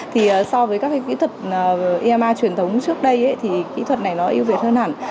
thì so với các cái kỹ thuật uima truyền thống trước đây thì kỹ thuật này nó ưu việt hơn hẳn